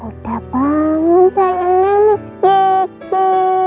udah bangun sayangnya miss kiki